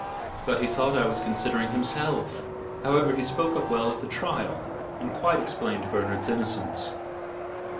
But he thought I was considering his health. However, he spoke up well at the trial, and quite explained Bernard's innocence."